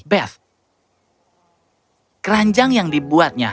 beth keranjang yang dibuatnya